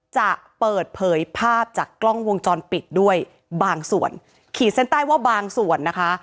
จะเปิดเผยภาพจากกล้องวงจรปิดด้วยบางส่วนขีดเส้นใต้ว่าบางส่วนนะคะ